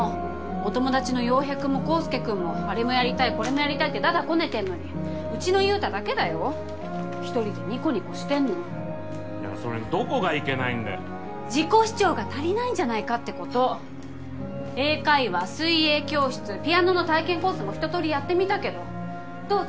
お友達の洋平くんも宏介くんもアレもやりたいコレもやりたいって駄々こねてんのにうちの優太だけだよひとりでニコニコしてんのでもそれのどこがいけ自己主張が足りないんじゃないかってこと英会話水泳教室ピアノの体験コースもひと通りやってみたけど「どう？